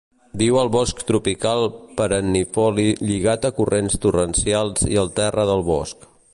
Viu al bosc tropical perennifoli lligat a corrents torrencials i al terra del bosc.